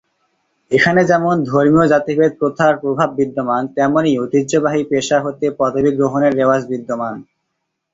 এখানে যেমন ধর্মীয় জাতিভেদ প্রথার প্রভাব বিদ্যমান তেমনই ঐতিহ্যবাহী পেশা হতে পদবি গ্রহণের রেওয়াজ বিদ্যমান।